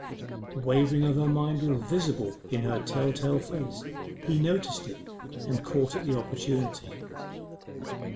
The wavering of her mind was visible in her tell tale face. He noticed it, and caught at the opportunity.